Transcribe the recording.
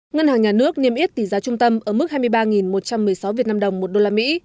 ngân hàng nhà nước niêm yết tỷ giá trung tâm ở mức hai mươi ba một trăm một mươi sáu việt nam đồng một đô la mỹ